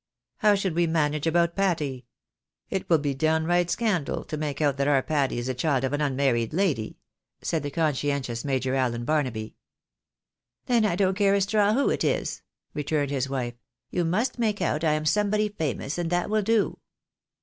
How should we manage about Patty ? It will be downright scandal to make out that our Patty is the child of an unmarried lady," said the conscientious Major Allen Barnaby. "Then I don't care a straw who it is," returned h:s wife. " You must make out I am somebody famous, and that will do."